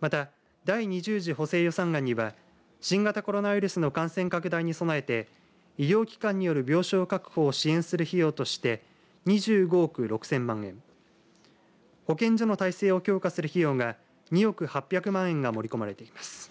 また第２０次補正予算案には新型コロナウイルスの感染拡大に備えて医療機関による病床確保を支援する費用として２５億６０００万円保健所の体制を強化する費用が２億８００万円が盛り込まれています。